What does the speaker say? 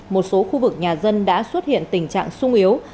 một số khu vực nhà dân đã xuất hiện tình trạng sung yếu